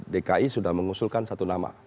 dki sudah mengusulkan satu nama